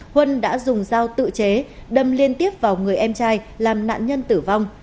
huân đã dùng dao tự chế đâm liên tiếp vào người em trai làm nạn nhân tử vong